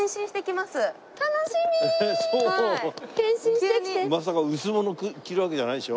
まさか薄物着るわけじゃないでしょ？